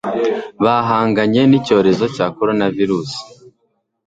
bahanganye n'icyorezo cya corona virus